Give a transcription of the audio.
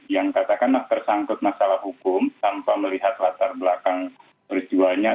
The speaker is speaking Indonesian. yang katakanlah tersangkut masalah hukum tanpa melihat latar belakang peristiwanya